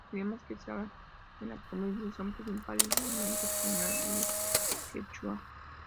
Los idiomas que se hablan en la provincia son principalmente español y el quechua.